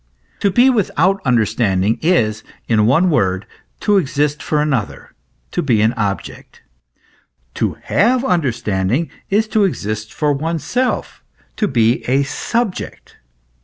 To be without understanding is, in one word, to exist for another, to be an object: to have understanding is to exist for oneself, to be a subject.